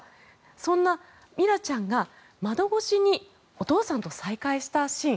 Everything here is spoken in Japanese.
そんなミラちゃんが窓越しにお父さんと再会したシーン。